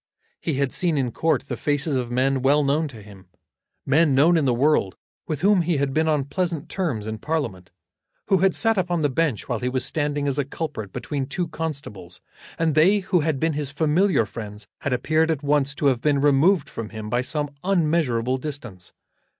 He had seen in court the faces of men well known to him, men known in the world, with whom he had been on pleasant terms in Parliament, who had sat upon the bench while he was standing as a culprit between two constables; and they who had been his familiar friends had appeared at once to have been removed from him by some unmeasurable distance.